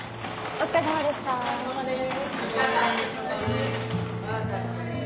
お疲れさまです。